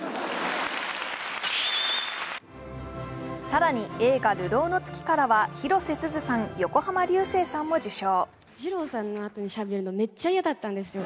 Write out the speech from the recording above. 更に、映画「流浪の月」からは広瀬すずさん、横浜流星さんも受賞。